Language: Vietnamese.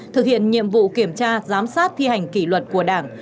thực hiện nhiệm vụ kiểm tra giám sát thi hành kỷ luật của đảng